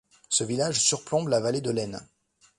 Ce village surplombe la vallée de l'Aisne.